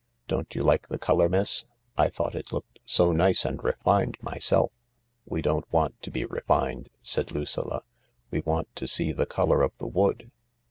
" Don't you like the colour, miss ? I thought it looked so nice and refined myself." "We don't want to be refined/' said Lucilla ; "we want to see the colour of the wood."